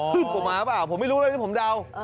ขึ้นมาหรือเปล่าผมไม่รู้เลยผมเดา